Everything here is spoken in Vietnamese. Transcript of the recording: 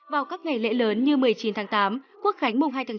hãy dừng lại trước khi quá muộn